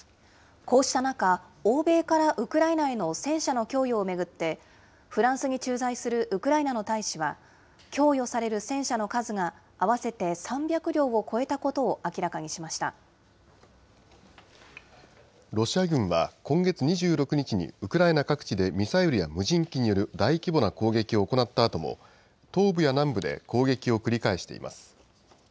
こうした中、欧米からウクライナへの戦車の供与を巡って、フランスに駐在するウクライナの大使は、供与される戦車の数が合わせて３００両を超えたことを明らかにしロシア軍は、今月２６日にウクライナ各地でミサイルや無人機による大規模な攻撃を行ったあとも、東部や南部で攻撃を繰り返しています。